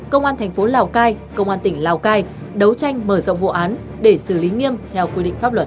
công an thành phố lào cai công an tỉnh lào cai đấu tranh mở rộng vụ án để xử lý nghiêm theo quy định pháp luật